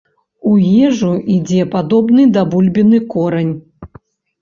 У ежу ідзе падобны да бульбіны корань.